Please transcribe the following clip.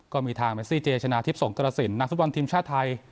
ก็มีทางเมสซี่เจชนะทิพย์ส่งกรสินนักศึกวันทีมชาวไทย